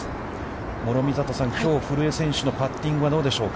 諸見里さん、きょう古江選手のパッティングはどうでしょうか。